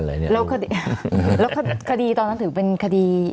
แล้วคาดีตอนนั้นถือเป็นคาดี